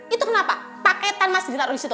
itu kenapa paketan masih ditaruh di situ